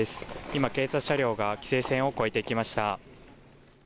今、警察車両が規制線を越えていきました